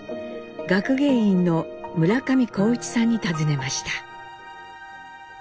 学芸員の村上孝一さんに尋ねました。